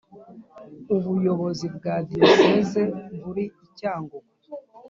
ubuyobozi bwa Diyosezi buri iCyangugu